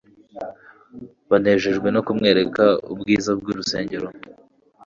banejejwe no kumwereka ubwiza bw'urusengero!